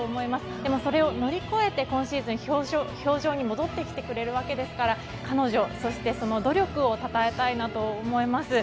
でもそれを乗り越えて今シーズン氷上に戻ってきてくれるわけですから彼女そして、その努力をたたえたいなと思います。